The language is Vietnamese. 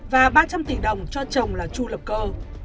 và ba trăm linh tỷ đồng cho chồng là chu lập cơ